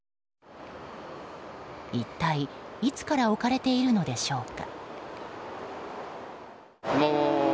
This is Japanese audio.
一体、いつから置かれているのでしょうか。